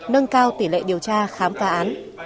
nâng cao tỷ lệ điều tra khám phá án